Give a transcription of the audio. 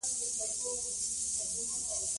د شاګردانو او ملګرو سره کله – کله مشروع ټوکي کوئ!